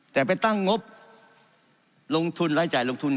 แต่ไปตั้งงบลงทุนรายจ่ายลงทุน